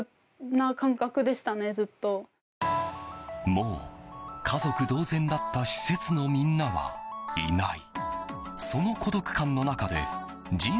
もう家族同然だった施設のみんなはいない。